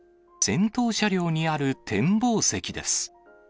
先頭車両にある展望席です。